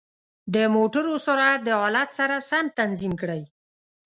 د موټرو سرعت د حالت سره سم تنظیم کړئ.